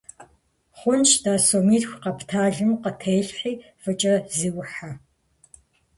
Хъунщ-тӀэ, сомитху къэпталым къытелъхьи, фӀыкӀэ зыухьэ.